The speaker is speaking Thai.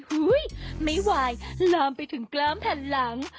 ไม่ไหวลามไปถึงกล้ามแผ่นหลัง